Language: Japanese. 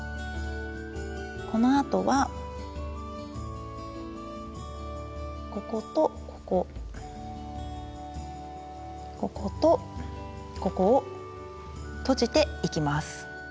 このあとはこことこここことここをとじていきます。